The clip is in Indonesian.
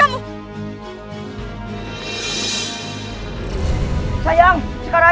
ayuh katakan narimbi